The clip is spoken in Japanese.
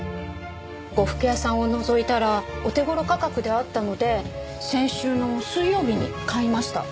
呉服屋さんをのぞいたらお手頃価格であったので先週の水曜日に買いました。